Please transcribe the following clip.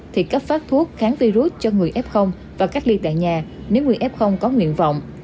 thì cấp phát thuốc kháng virus cho người f và cách ly tại nhà nếu người f có nguyện vọng